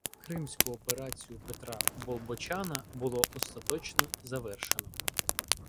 Кримську операцію Петра Болбочана було остаточно завершено.